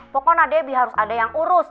pokoknya nadebi harus ada yang urus